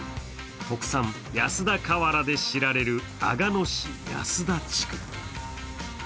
特産・安田瓦で知られる阿賀野市保田地区。